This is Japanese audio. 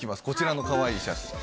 こちらのかわいい写真